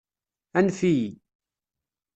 Anef-iyi.